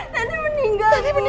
tanti meninggal bu